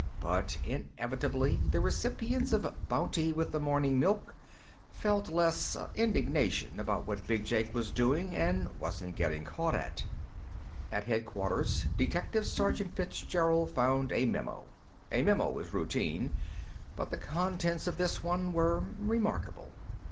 But inevitably the recipients of bounty with the morning milk felt less indignation about what Big Jake was doing and wasn't getting caught at. At Headquarters, Detective Sergeant Fitzgerald found a memo. A memo was routine, but the contents of this one were remarkable.